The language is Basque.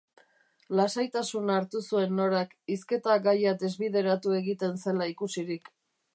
Lasaitasuna hartu zuen Norak, hizketa-gaia desbideratu egiten zela ikusirik.